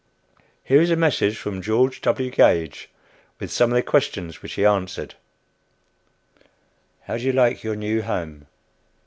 Here is a message from George W. Gage, with some of the questions which he answered: "[How do you like your new home?